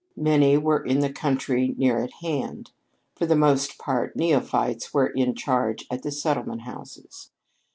Many were in the country near at hand. For the most part, neophytes were in charge at the settlement houses.